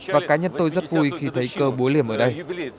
và cá nhân tôi rất vui khi thấy cơ búa liềm ở đây